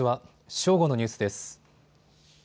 正午のニュースです。